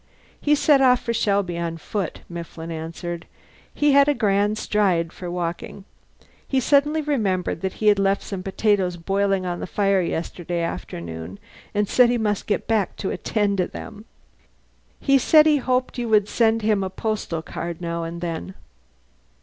"He set off for Shelby on foot," Mifflin answered. "He has a grand stride for walking. He suddenly remembered that he had left some potatoes boiling on the fire yesterday afternoon, and said he must get back to attend to them. He said he hoped you would send him a postal card now and then.